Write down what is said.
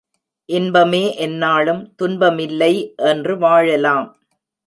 இன்பமே எந்நாளும் துன்பமில்லை என்று வாழலாம்.